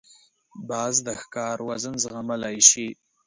باز د ښکار وزن زغملای شي